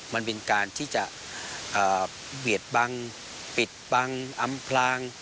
มันเป็นการที่จะเบียดบังปิดบังอำพลาง